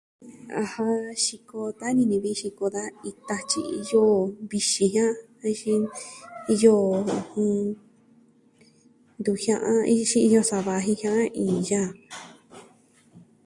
Ajan, xiko ta'an ini ni xiko ita tyi iyo vixin jia'an, de xin... iyo, ɨjɨn... ntu jia'an axin iyo sava jiaan iya ja.